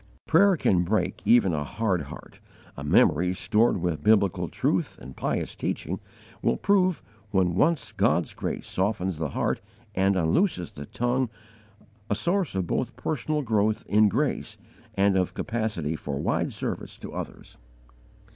Prayer can break even a hard heart; a memory, stored with biblical truth and pious teaching, will prove, when once God's grace softens the heart and unlooses the tongue, a source of both personal growth in grace and of capacity for wide service to others.